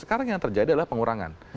sekarang yang terjadi adalah pengurangan